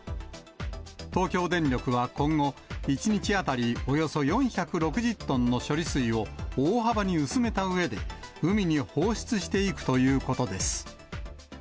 東京電力は今後、１日当たりおよそ４６０トンの処理水を大幅に薄めたうえで、海に放出していくということです。